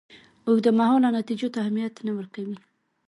اوږدمهالو نتیجو ته اهمیت نه ورکوي.